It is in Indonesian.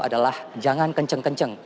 adalah jangan kenceng kenceng